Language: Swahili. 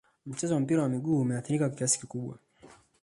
mchezo wa mpira wa miguu umeathirika kwa kiasi kikubwa